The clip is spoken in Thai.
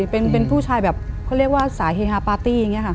เป็นผู้ชายแบบเขาเรียกว่าสายเฮฮาปาร์ตี้